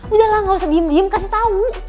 udahlah gak usah diem diem kasih tahu